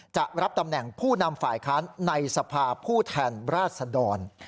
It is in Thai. จะรับตำแหน่งผู้นำฝ่ายค้านในสภาผู้แทนราชดร